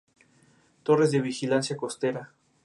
Torres de vigilancia costera